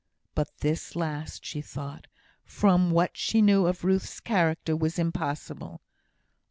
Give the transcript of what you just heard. But this last she thought, from what she knew of Ruth's character, was impossible.